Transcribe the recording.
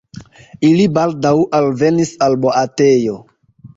Ili baldaŭ alvenis al boatejo.